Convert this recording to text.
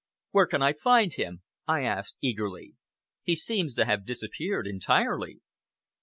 "Where can I find him?" I asked eagerly. "He seems to have disappeared entirely."